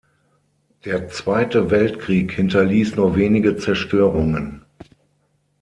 Der Zweite Weltkrieg hinterließ nur wenige Zerstörungen.